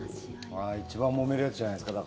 一番もめるやつじゃないですか？